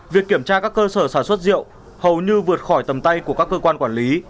việc kiểm tra các cơ sở sản xuất rượu hầu như vượt khỏi tầm tay của các cơ quan quản lý